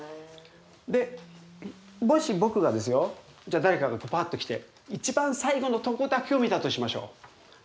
でもし僕がですよじゃ誰かがパッと来て一番最後のとこだけを見たとしましょう。